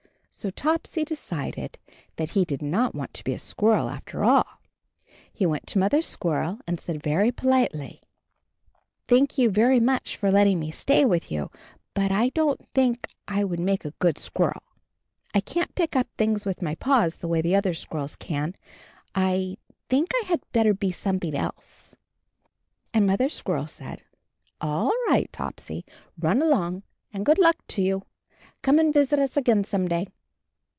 So Topsy decided that he did not want to be a squirrel after all. He went to Mother Squirrel and said very politely: "Thank you very much for letting me stay with you — but I don't think I would make a good squirrel. I can't pick up things with my 22 CHARLIE paws the way the other squirrels can. I think I had better be something else.'' And Mother Squirrel said, "All right, Topsy, run along, and good luck to you. Come and visit us again some day."